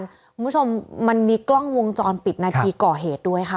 คุณผู้ชมมันมีกล้องวงจรปิดนาทีก่อเหตุด้วยค่ะ